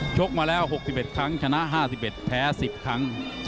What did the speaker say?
กมาแล้ว๖๑ครั้งชนะ๕๑แพ้๑๐ครั้ง